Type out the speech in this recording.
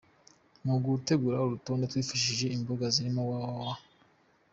Mu gutegura uru rutonde twifashishije imbuga zirimo www.